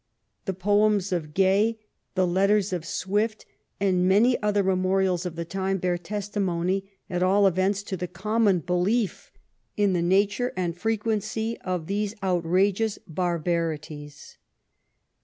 204 THE LONDON OP QUEEN ANNE The poems of Gay, the letters of Swift, and many other memorials of the time bear testimony, at all events, to the common belief in the nature and the frequency of these outrageous barbarities.